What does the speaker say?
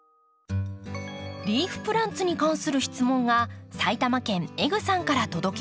リーフプランツに関する質問が埼玉県エグさんから届きました。